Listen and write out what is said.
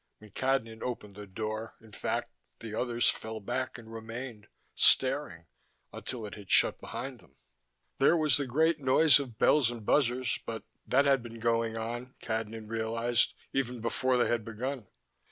When Cadnan opened the door, in fact, the others fell back and remained, staring, until it had shut behind them. There was the great noise of bells and buzzers but that had been going on, Cadnan realized, even before they had begun.